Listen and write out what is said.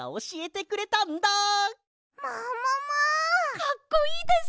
かっこいいです！